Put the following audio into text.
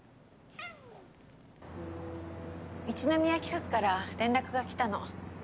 ニャ一之宮企画から連絡が来たの。